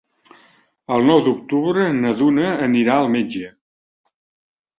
El nou d'octubre na Duna anirà al metge.